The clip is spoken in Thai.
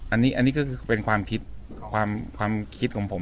อันนี้ก็คือเป็นความคิดของผม